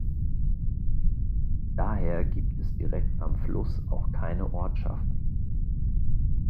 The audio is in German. Daher gibt es direkt am Fluss auch keine Ortschaften.